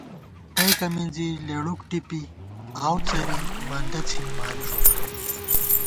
تَئیکہ مِنزی لېڑوک ٹِپی آؤڅَرِی مندہ څِھنی ماری ݫوت